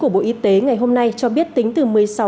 bộ y tế ngày hôm nay cho biết tính từ một mươi sáu h